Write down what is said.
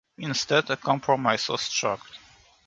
Instead, a compromise was struck.